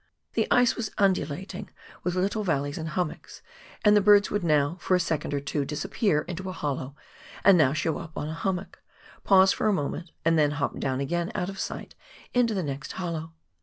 The ice was undulating, with little valleys and hummocks, and the birds would now, for a second or two, disappear into a hollow and now show up on a hummock, pause a moment, and then hop down again out of sight into the next hollow.